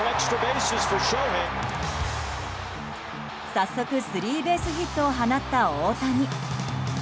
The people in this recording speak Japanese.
早速、スリーベースヒットを放った大谷。